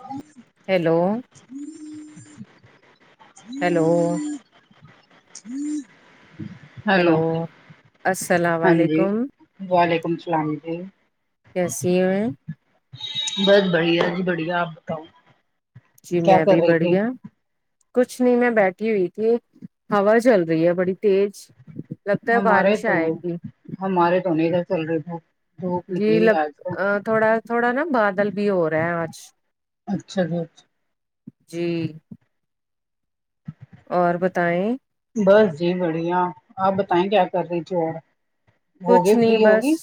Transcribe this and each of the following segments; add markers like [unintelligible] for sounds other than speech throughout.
ہ hello hello [inaudible] hello السلام ہاں جی علیکم وعلیکم السلام جی کیسی ہے بس بڑھیا جی بڑھیا آپ بتاؤ جی کیا میں کر بھی رہی تھی بڑھیا کچھ نہیں میں بیٹھی ہوئی تھی ہوا چل رہی ہے بڑی تیز لگتا ہے ہمارے بارش تو آئے گی ہمارے تو نہیں ادھر چل رہے تھے جی لب تھوڑا تھوڑا نا بادل بھی ہو رہا ہے آج اچھا جی اچھا جی اور بتائیں بس جی بڑھیا آپ بتائیں کیا کر رہی تھی اور ہوگی کچھ نہیں فری بس ہوگی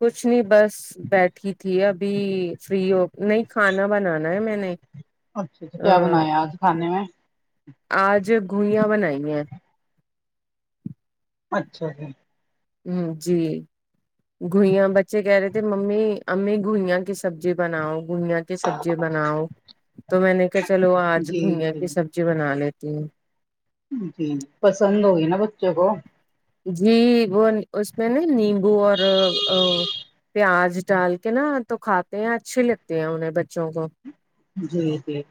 کچھ نہیں بس بیٹھی تھی ابھی فری ہو نہیں کھانا بنانا ہے میں نے اچھا اچھا کیا بنایا آج کھانے میں آج گوئیاں بنائی ہیں اچھا جی ہمم جی گوئیاں بچے کہہ رہے تھ ممی امی گوئیاں کی سبزی بناؤ گوئیاں کی سبزی بناؤ تو میں نے کہا چلو آج جی گوئیاں کی جی سبزی بنا لے تے ہے جی پسند ہوگی نا بچوں کو جی وہ اس میں نہیں نیمبو اور پیاز ڈال کے نا تو کھاتے ہیں اچھی لگتی ہے انہیں بچوں کو جی جی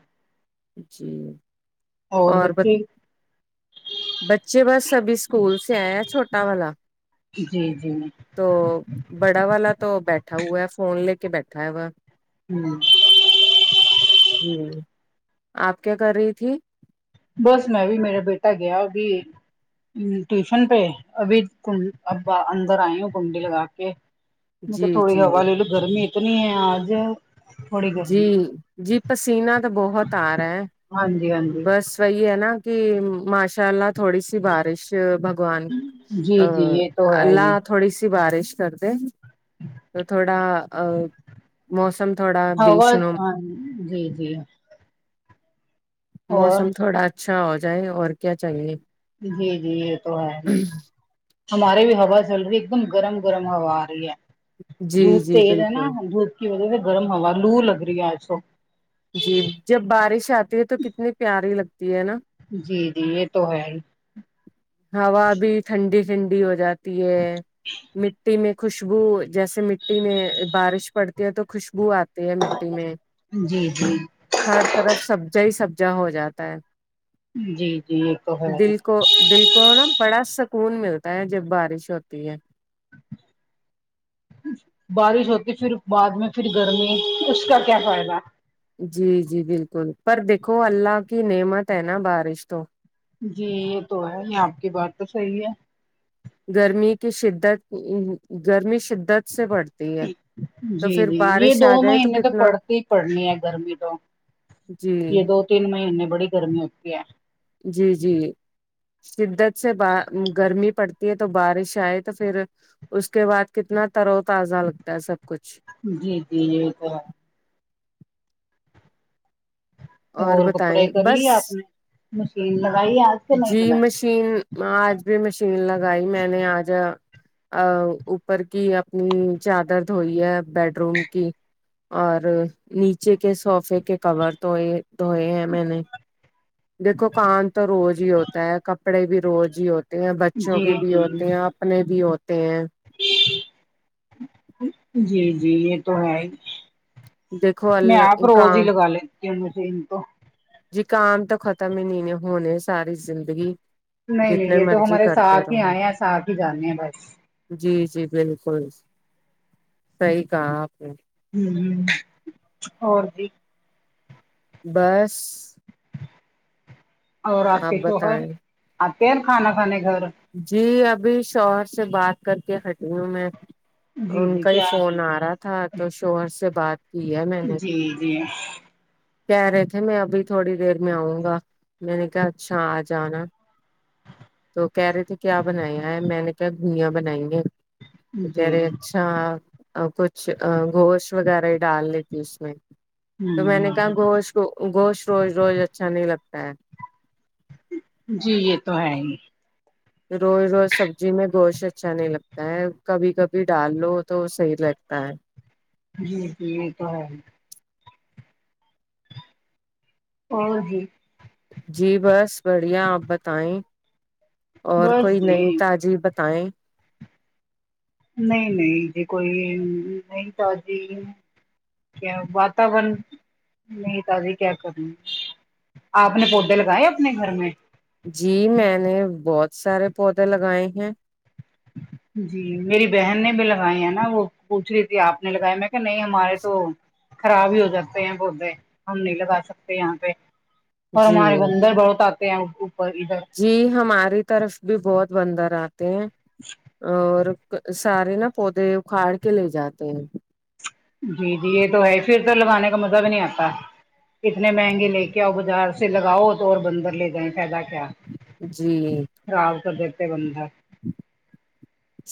جی اور بچے بچے بس سبھی اسکول سے آئے ہیں چھوٹا والا جی جی تو بڑا والا تو بیٹھا ہوا ہے فون لے کے بیٹھا ہے وہا ہ ہمم آپ کیا کر رہی تھی بس میں بھی میرا بیٹا گیا وہ بھی ٹیوشن پے ابھی کنڑ اب اندر آئی ہوں کنڈی لگا کے میں تو جی تھوڑی جی ہوا لے لو گرمی اتنی ہے آج تھوڑی گرمی جی جی پسیین تو بہت آ رہا ہے ہاں جی ہاں جی بس وہی ہے نا کی ماشاء اللہ تھوڑی سی بارش بگوان آ جی جی یہ تو ہے اللہ ہی تھوڑی سی بارش کر دے تو تھوڑا آ موسم تھوڑا ہوا بیشنم ہاں جی جی اور موسم تھوڑا اچھا ہو جائے اور کیا چاہے جی جی یے تو ہے ہمارے بھی ہوا چل رہی ہے ایک دم گرم گرم ہوا آ رہی ہے جی دھوپ جی تیز ہے نا بالکل دھوپ کی وجہ سے گرم ہوا لو لگ رہی ہے اج تو جی جب بارش آتی ہے تو کتنی پیاری لگتی ہے نا جی جی یہ تو ہے ہی ہوا بھی ٹھنڈی ٹھنڈی ہو جاتی ہے مٹی میں خوشبو جیسے مٹی میں بارش پڑتی ہے تو خوشبو آتی تی ہے مٹی میں جی جی ہر طرف سبزا ہی سبزا ہو جاتا ہے جی جی یہ تو ہے دل کو دل کو نا بڑا سکون ملتا ہے جب بارش ہوتی ہے بارش ہوتی پھر بعد میں پھر گرمی اس کا کیا فائدہ جی جی بالکل پر دیکھو اللہ کی نعمت ہے نا بارش تو جی یہ تو ہے یہ آپ کی بات تو صحیح ہے گرمی کی شدت گرمی شدت سے پڑتی ہے تو جی پھر جی یہ بارش دو آ جائے تو مہینے کتنا پڑتی ہی پڑنی ہے گرمی تو جی یہ دو تین مہینے بڑی گرمی ہوتی ہے جی جی شدت سے با گرمی پڑتی ہے تو بارش آئے تو پھر اس کے بعد کتنا تر و تازہ لگتا ہے سب کچھ جی جی یہی تو ہے اور کپڑے بتائیں کر لی بس اپ نے مشین لگائی اج سے نہیں جی لگائی مشین آج بھی مشین لگائی میں نے آج ا اوپر کی اپنی چادر دھوئی ہے بیڈ روم کی اور نیچے کے سوفے کے کور دھوئے دھوئے ہیں میں نے دیکھو کام تو روز ہی ہوتا ہے کپڑے بھی روز ہی ہوتے تے ہیں بچوں کے جی بھی جی ہوتے ہیں اپنے بھی ہوتے ہیں جی جی یہ تو ہے ہی دیکھو میں آپ اللہ روز ہی کام لگا لیتی ہوں مشین تو جی کام تو ختم ہی نہیں ہونے ساری زندگی نہیں نہیں جتنے یہ تو مرضی ہمارے کرتے ساتھ ہی رہو آئے ہیں ساتھ ہی جانے ہیں بس جی جی بالکل صحیح کہا آپ نے ہ اور بھی بس اور آپ آپکے شوہر بتائیں آتے ہے کھانا کھانے گھر جی ابھی شوہر سے بات کر کے ہٹی ہوں میں جی ان جی کا ہی کیا فون آ رہا تھا تو شوہر سے بات کی ہے میں نے جی جی کہہ رہے تھے میں ابھی تھوڑی دیر میں آؤں گا میں نے کہا اچھا آ جانا تو کہہ رہے تھے کیا بنایا ہے میں نے کیا گوئیاں بنائی ہیں کہہ جی رہے اچھا کچھ گوشت وغیرہ ہی ڈال لیتی اس میں تو میں نے ہ کہا گوشت کو گوشت روز روز اچھا نہیں لگتا ہے جی یہ تو ہے ہی روز روز سبزی میں گوشت اچھا نہیں لگتا ہے کبھی کبھی ڈال لو تو صحیح لگتا ہے جی جی یہ تو ہے اور جی جی بس بڑھیا آپ بتائیں اور بس کوئی جی نہیں تجی بتائیں نہیں نہیں جی کوئی نہیں تازی کیا واتاورن نہیں تجی کیا کرنی آپ نے پودے لگائے اپنے گھر میں جی میں نے بہت سارے پودے لگائے ہیں جی میری بہن نے بھی لگائی ہے نا وہ پوچھ رہی تھی آپ نے لگائی میں کہ نہیں ہمارے تو خراب ہی ہو جاتے ہیں پودے ہم نہیں لگا سکتے یہاں پہ اور جی ہمارے بندر بہت آتے ہیں اوپر ادھر جی ہماری طرف بھی بہت بندر آتے ہیں اور سارے نا پودے اکھاڑ کے لے جاتے ہیں جی جی یہ تو ہے پھر تو لگانے کا مزہ بھی نہیں آتا اتنے مہنگے لے کے آؤ بازار سے لگاؤ تو اور بندر لے جائیں فائدہ کیا جی خراب کر دیتے بند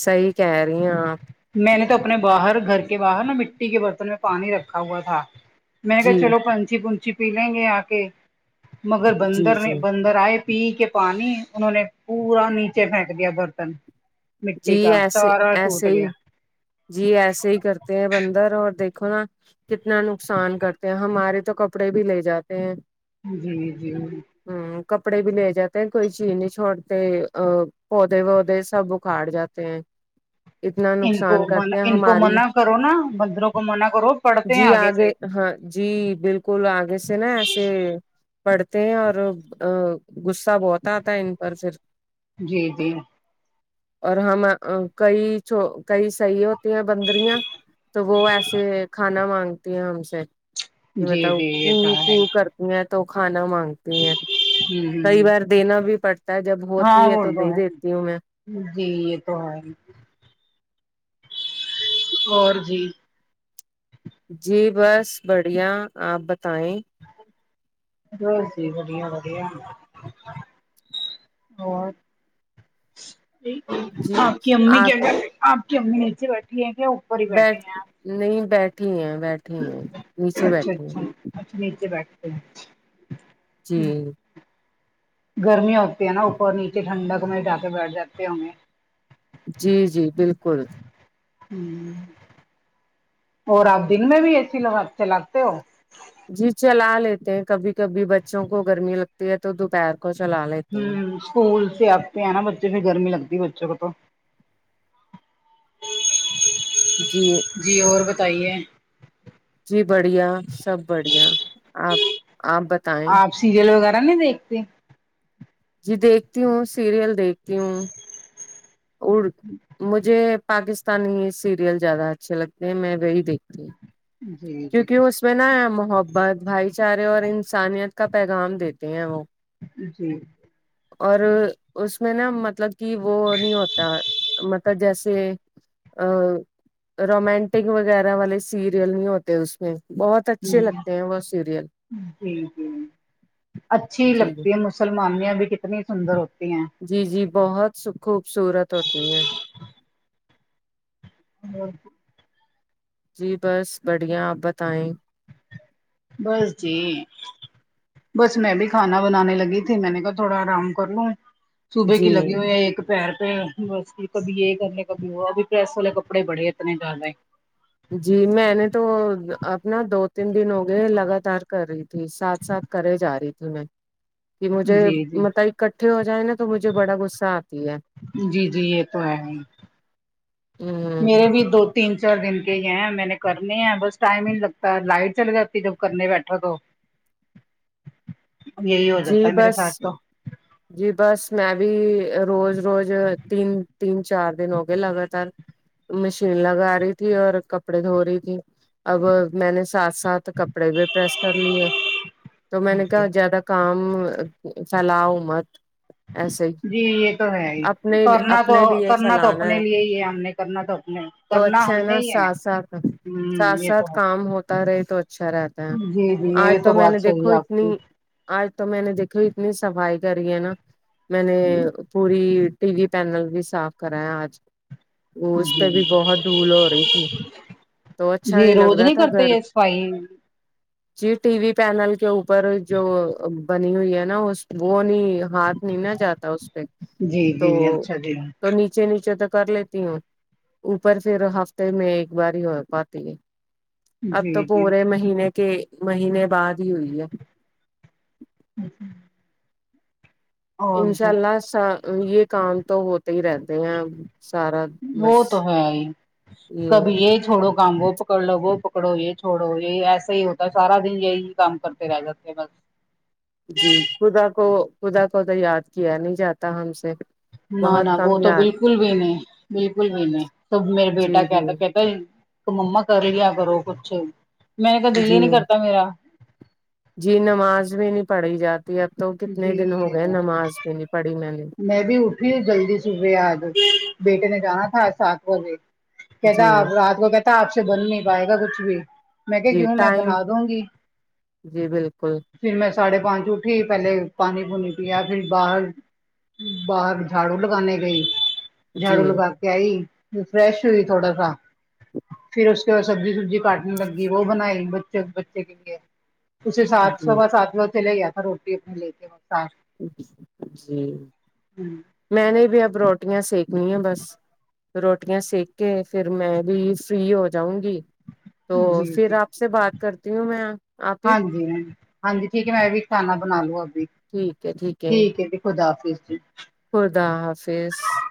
صحیح کہہ رہی ہ آپ میں نے تو اپنے باہر گھر کے باہر نا مٹی کے برتن میں پانی رکھا ہوا تھا میں نے کہ جی چلو پنچھی پنچھی پی لیں گے آ کے مگر جی بندر جی بندر آئے پی کے پانی انہوں نے پورا نیچے پھینک دیا برتن جی مٹی کا ایسے سارا ٹوٹ ایسے ہی گیا جی ایسے ہی کرتے ہیں بندر اور دیکھو نا کتنا نقصان کرتے ہیں ہمارے تو کپڑے بھی لے جاتے ہیں جی جی جیاں ہ کپڑے بھی لے جاتے ہیں کوئی چیز نہیں چھوڑتے ا پودے وودے سب کاٹ جاتے ہیں اتنا ان کو نقصان منع کرتے ہیں ان کو ہماری منع کرو نا بندروں کو منع کرو پڑھتے ہیں جی آگے سے ہاں جی بالکل آگے سے نا ایسے پڑھتے ہیں اور غصہ بہت آتا ہے ان پر پھر جی جی اور ہم کئی چ کئی سیح بندریاں تو وہ ایسے کھانا مانگتی ہیں ہم سے ج جی مطلب جی یہ کو تو کو ہے کر تو کھانا مانگتی ہیں کئی ہ بار دینا بھی پڑتا جب ہوتی ہے تو دے دیتی ہوں میں جی یہ تو ہے اور بھی جی بس بڑھیا آپ بتائیں بس ج بڑیا ودیا اور جی آپ کی امی آپ کیا آپ کی امی نیچے بیٹھی ہے کیا ہی بیٹھی بیٹھ ہیں آپ نہیں بیٹھیے ہیں بیٹے ہیں نیچے اچھا بیٹھے ہیں اچھا اچھا نے بیٹتے ہ جی گرمییا ہوتی ہے نا اوپر نیچے ٹھنڈک میںٹ جا کے بیٹھ جاتے ہے جی جی بالکل اور آپ دن میں بھی اے س لگا چ لاتے ہو جی چلا لیتے ہیں کبھی کبھی بچوں کو گرمی لگتی ہے تو دوپہر کو کچ چلا لے ہوں اسکول سے آتے ہیں نا بچے پھر گرمی لگتی ہے بچوں کو تو جی جی اور بتائیے جی بڑھیا سب بڑھیا آپ آپ بتائیں آپ سیریل وغیرہ نہیں دیکتے جی دیکھتی ہوں سیریل دیکھتی ہوں د مجھے پاکستانی سیریل زیادہ اچھے لگتے ہیں میں وہی دیکھتی ہوں جی کیونکہ جی اس میں نا ہے محبت بھائی چارے اور انسانیت کا پیغام دیتے ہیں وہ جی اور اس میں نا مطلب کہ وہ نہیں ہوتا مطلب جیسے ا رومانٹک وغیرہ والے سیریل نہیں ہوتے اس میں بہت جی اچھے لگتے ہیں وہ سیریل جی جی اچھی جی لگتی ہے مجھے مسلمانیاں بھی کتنی سندر ہوتی ہیں جی جی بہت سو خوبصورت ہوتی ہیں ہ [unintelligible] جی بس بڑھیا آپ بتائیں بس جی بس میں بھی کھانا بنانے لگی تھی میں نے کہا تھوڑا آرام کر لوں صبح کی جی لگی ہوئی ہے ایک پیر پہ بس کبھی یہ کرنے کبھی وہ ابھی پریس والے کپڑے بڑے اتنے جیادہ ہے جی میں نے تو اپنا دو تین دن ہو گئے لگاتار کر رہی تھی ساتھ ساتھ کرے جا رہی تھی میں کہ مجھے جی جی مطلب اکٹھے ہو جائے نا تو مجھے بڑا غصہ آتی ہے جی یہ تو ہے ہ میرے بھی دو تین چار دن کے ہی ہیں میں نے کرنے ہیں بس ٹائم ہی نہیں لگتا لائٹ چلی جاتی جب کرنے بیٹھو تو یہی ہو جاتا جی ہے میرے بس ساتھ تو جی بس میں بھی روز روز تین تین چار دن ہو گئے لگاتار مشین لگا رہی تھی اور کپڑے دھو رہی تھی اب میں نے ساتھ ساتھ کپڑے بھی پریس کر لیے تو میں نے کہا جیادہ کام فیلاؤ مت ایسے ہی جی یہ تو ہے ہی اپنے کرنا تو اپنے لیے کرنا تو پھیلانا اپنے لیے ہی ہے ہم نے کرنا تو اپنے تو کرنا اچھا ہم ہے نا نے ہی ساتھ ساتھ ساتھ ہوں یہ تو ساتھ ہے کام ہوتا رہے تو اچھا رہ تا ہے جی جی آج یہ تو میں نے بات صحیح دیکھو ہے آپ اتنی کی آج تو میں نے دیکھا اتنی صفائی کری ہے نا میں نے پوری ٹی وی پینل بھی صاف کرا ہے آج اس پہ بھی جی بہت دھول ہو رہی تھی تو اچھا نہیں جی لگ روز رہا تھا کرتے گھر یہ صفائی جی ٹی وی پینل کے اوپر جو بنی ہوئی ہے نا اس وہ نہیں ہاتھ نہیں نہ جاتا اس پہ جی تو جی اچھا جی تو نیچے نیچے تو کر لیتی ہوں اوپر پھر ہفتے میں ایک بار ہی ہو پاتی ہے اب تو جی جی پورے مہینے کے مہینے بعد ہی ہوئی ہے اچھا [unintelligible] انشاء اللہ سا یہ کام تو ہوتے ہی رہتا سارا بس وہ تو ہے ہی یہ چھوڑو کام وہ پکڑ لو وہ پکڑو یہ چھوڑو یہ ایسا ہی ہوتا ہے سارا دن یہی کام کرتے رہ جاتے ہیں بس جی خدا کو خدا کو تو یاد کیا نہیں جاتا ہم سے نہ نہ بہت وہ کم تو یاد بالکل بھی نہیں بالکل بھی نہیں سب میرا جی بیٹا جی کہتا کہتا مما کر لیا کرو کچھ میں نے کا دل جی ہی نہیں کرتا میرا جی نماز بھی نہیں پڑھی جاتی اب تو کتنے جی دن ہو یہ گئے تو نماز بھی نہیں پڑھی میں نے میں بھی اٹھی ہوں جلدی صبح آج بیٹے نے جانا تھا آج سات بجے کہتا جی آپ رات کو کہتا آپ سے بن نہیں پائے گا کچھ بھی میں کہ جی کیوں میں ٹائم بنا دوں گی جی بالکل پھر میں ساڑھے پانچ اٹھی پہلے پانی پونی پیا پھر باہر باہر جھاڑو لگانے گئی جی جھاڑو لگا کے ائی یہ فریش ہوئی تھوڑا سا پھر اس کے بعد سبجی ببجی کاٹنے لگ گی وہ بنائی بچ بچے کے لیے اسے سات جی سوا سات بجے چلے گیا تھا روٹی اپنے لے کے سات جی ہمم میں نے بھی اب روٹیاں سیکنی ہیں بس روٹیا سیک کے پھر میں بھی فری ہو جاؤں گی تو جی پھر جی آپ سے بات کرتی ہوں میں آپپی ہوں ہاں جی ٹھیک ہے میں ابھی کھانا بنا لو ابھی ٹھیک ہے جی خدا حافظ جی خدا حافظ